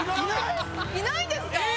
いないんですか？